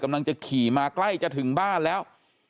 กำลังจะขี่มาใกล้จะถึงบ้านแล้ว